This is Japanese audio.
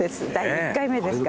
１回目ですか。